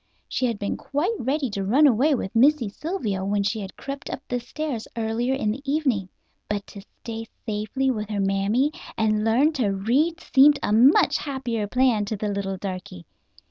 She had been quite ready to run away with Missy Sylvia when she had crept up the stairs earlier in the evening. But to stay safely with her mammy and learn to read seemed a much happier plan to the little darky.